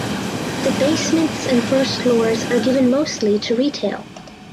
The basements and first floors are given mostly to retail.